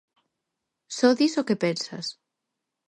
Só dis o que pensas.